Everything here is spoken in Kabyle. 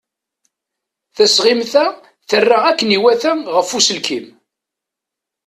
Tasɣimt-a terna akken i iwata ɣef uselkim.